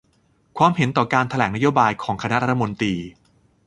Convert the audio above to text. ความเห็นต่อการแถลงนโยบายของคณะรัฐมนตรี